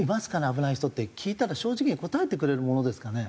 危ない人」って聞いたら正直に答えてくれるものですかね？